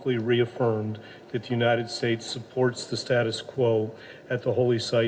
bahwa amerika serikat mendukung status quo di tempat berkulit suci